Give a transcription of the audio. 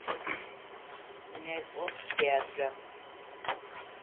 Некӏох театрэм!